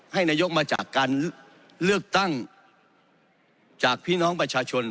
ให้นายกมาจากการเลือกตั้งจากพี่น้องประชาชน